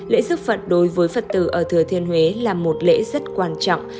lễ giúp phật đối với phật tử ở thừa thiên huế là một lễ rất quan trọng